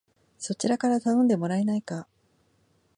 そちらから頼んでもらえないか